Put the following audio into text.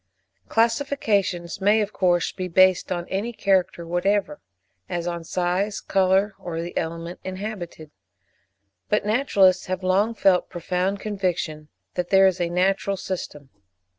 Classifications may, of course, be based on any character whatever, as on size, colour, or the element inhabited; but naturalists have long felt a profound conviction that there is a natural system.